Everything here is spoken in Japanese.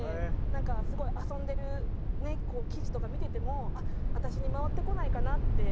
なんかすごい遊んでる記事とか見てても私に回ってこないかなって。